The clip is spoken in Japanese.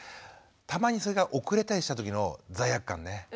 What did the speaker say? たまにそれが遅れたりした時の罪悪感ね。